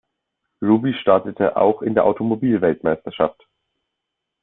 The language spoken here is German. Ruby startete auch in der Automobil-Weltmeisterschaft.